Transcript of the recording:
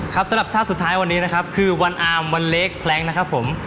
สำหรับท่าสุดท้ายวันนี้นะครับคือวันอาร์มวันเล็กแพล้งนะครับผม